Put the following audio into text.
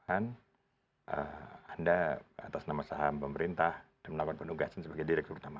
anda atas nama saham pemerintah dan melakukan penugasan sebagai direktur utama